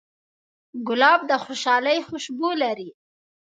ګلاب د خوشحالۍ خوشبو لري.